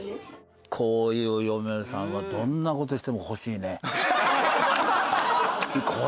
こういう嫁さんはどんなことしても欲しいね。